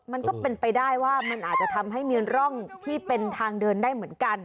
มันก็เป็นไปได้ว่ามันอาจจะทำให้มีร่องที่เป็นทางเดินได้เหมือนกัน